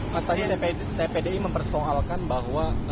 mas tadi tpdi mempersoalkan bahwa